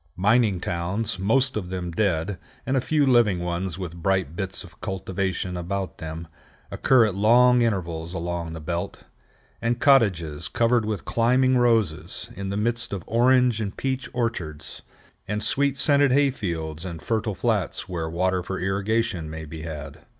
Mining towns, most of them dead, and a few living ones with bright bits of cultivation about them, occur at long intervals along the belt, and cottages covered with climbing roses, in the midst of orange and peach orchards, and sweet scented hay fields in fertile flats where water for irrigation may be had.